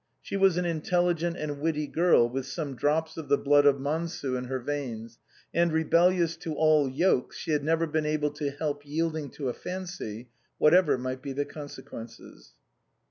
She was an intelligent and witty girl, with some drops of the blood of Mansu in her veins, and, rebellious to all yokes, she had never been able to help yielding to a fancy, whatever might be the consequences.